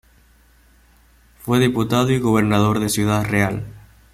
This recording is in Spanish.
Fue diputado y Gobernador de Ciudad Real.